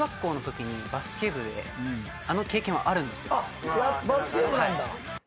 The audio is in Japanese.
バスケ部なんだ。